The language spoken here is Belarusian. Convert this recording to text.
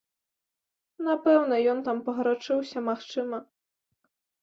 Напэўна, ён там пагарачыўся, магчыма.